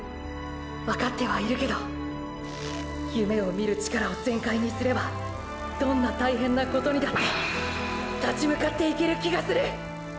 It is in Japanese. わかってはいるけど夢を見る力を全開にすればどんな大変なことにだって立ち向かっていける気がする！！